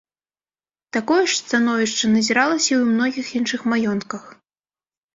Такое ж становішча назіралася і ў многіх іншых маёнтках.